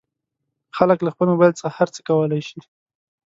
خلک له خپل مبایل څخه هر څه کولی شي.